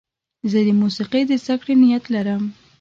زه د موسیقۍ د زدهکړې نیت لرم.